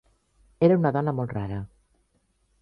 Era una dona molt rara.